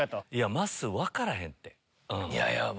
まっすー分からへんて。